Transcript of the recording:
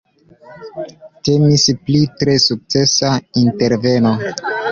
Temis pri tre sukcesa interveno.